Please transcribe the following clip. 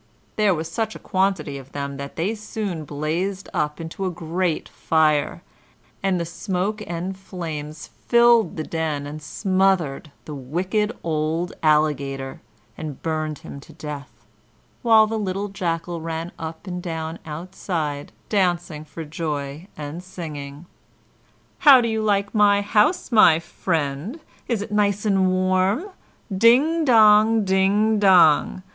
There was such a quantity of them that they soon blazed up into a great fire, and the smoke and flames filled the den and smothered the wicked old Alligator and burned him to death, while the little Jackal ran up and down outside dancing for joy and singing: "How do you like my house, my friend? Is it nice and warm? Ding dong! ding dong!